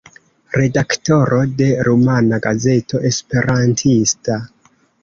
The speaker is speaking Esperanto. Redaktoro de Rumana Gazeto Esperantista.